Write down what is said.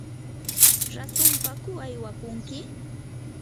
¿rasunpaku aywakunki?